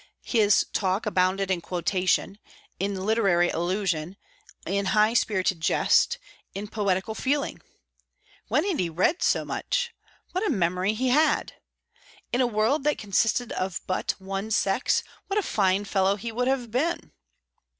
His talk abounded in quotation, in literary allusion, in high spirited jest, in poetical feeling. When had he read so much? What a memory he had! In a world that consisted of but one sex, what a fine fellow he would have been!